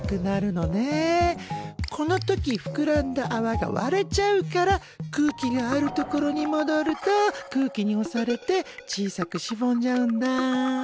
この時ふくらんだあわが割れちゃうから空気がある所にもどると空気におされて小さくしぼんじゃうんだ。